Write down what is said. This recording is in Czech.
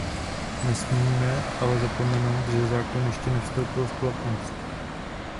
Nesmíme ale zapomenout, že zákon ještě nevstoupil v platnost.